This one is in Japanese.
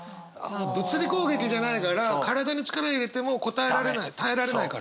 あ物理攻撃じゃないから体に力を入れてもこたえられない耐えられないから。